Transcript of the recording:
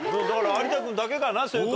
有田君だけかな正解は。